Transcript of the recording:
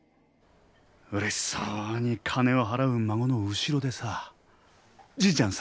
うれしそうに金を払う孫の後ろでさじいちゃんさ。